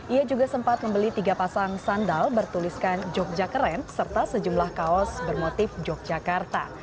ia juga sempat membeli tiga pasang sandal bertuliskan jogja keren serta sejumlah kaos bermotif yogyakarta